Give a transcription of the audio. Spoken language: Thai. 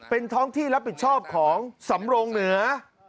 เป็นท้องที่รับผิดชอบของสำรงเหนือ